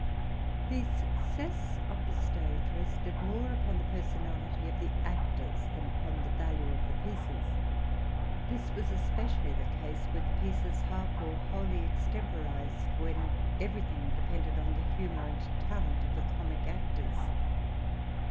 The success of the stage rested more upon the personality 150 TRUTH AND FICTION of the actors than upon the value of the pieces. This was especially the case with pieces half or wholly extemporized, when every thing depended on the humor and talent of the comic actors.